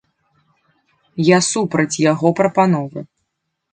Я супраць яго прапановы.